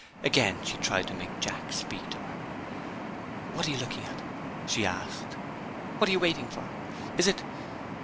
Again she tried to make Jack speak to her. "What are you looking at?" she asked. "What are you waiting for? Is it